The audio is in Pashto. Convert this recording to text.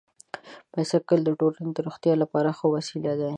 بایسکل د ټولنې د روغتیا لپاره ښه وسیله ده.